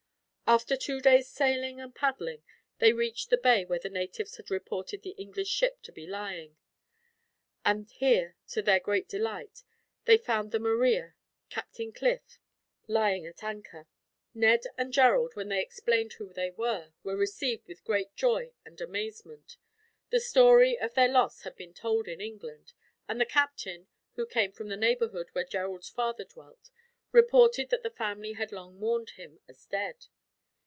After two days sailing and paddling, they reached the bay where the natives had reported the English ship to be lying; and here, to their great delight, they found the Maria, Captain Cliff, lying at anchor. Ned and Gerald, when they explained who they were, were received with great joy and amazement. The story of their loss had been told, in England; and the captain, who came from the neighborhood where Gerald's father dwelt, reported that the family had long mourned him as dead.